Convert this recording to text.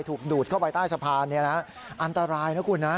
ถูกดูดเข้าไปใต้สะพานอันตรายนะคุณนะ